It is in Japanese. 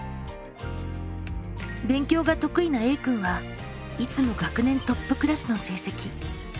勉強が得意なＡくんはいつも学年トップクラスの成績。